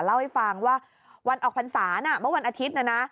เล่าให้ฟังว่าวันออกพรรษาเมื่อวันอาทิตย์นะนะ